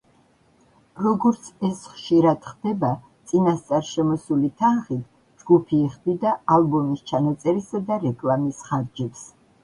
როგორც ეს ხშირად ხდება, წინასწარ შემოსული თანხით ჯგუფი იხდიდა ალბომის ჩაწერისა და რეკლამის ხარჯებს.